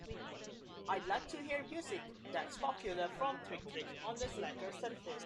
I'd like to hear music that's popular from Trick-trick on the Slacker service